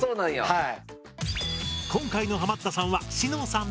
はい。